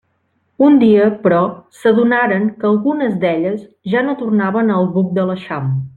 Un dia, però, s'adonaren que algunes d'elles ja no tornaven al buc de l'eixam.